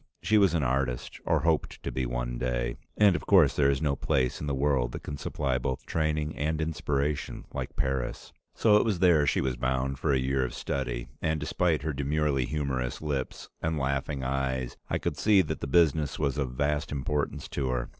She was an artist, or hoped to be one day, and of course there is no place in the world that can supply both training and inspiration like Paris. So it was there she was bound for a year of study, and despite her demurely humorous lips and laughing eyes, I could see that the business was of vast importance to her.